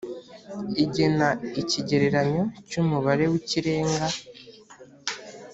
igena ikigereranyo cy umubare w ikirenga